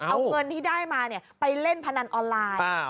เอาเงินที่ได้มาไปเล่นพนันออนไลน์